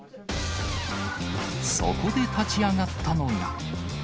そこで立ち上がったのが。